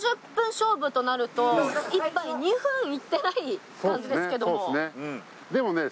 ６０分勝負となると１杯２分いってない感じですけども。